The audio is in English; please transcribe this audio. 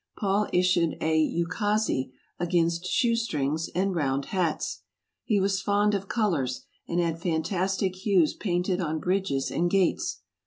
Paul issued a ukase against shoe strings and round hats. He was fond of colors, and had fantastic hues painted on bridges and gates.